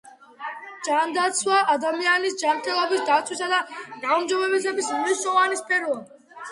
ჯანდაცვა ადამიანის ჯანმრთელობის დაცვისა და გაუმჯობესების მნიშვნელოვანი სფეროა